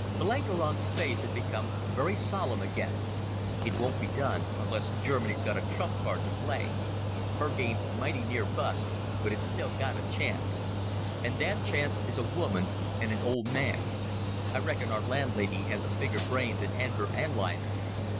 Blenkiron's face had become very solemn again. "It won't be done unless Germany's got a trump card to play. Her game's mighty near bust, but it's still got a chance. And that chance is a woman and an old man. I reckon our landlady has a bigger brain than Enver and Liman.